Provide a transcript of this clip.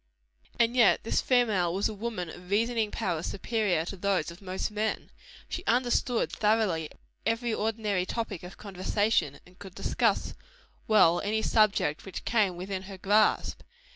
And yet this female was a woman of reasoning powers superior to those of most men. She understood, thoroughly, every ordinary topic of conversation, and could discuss well any subject which came within her grasp.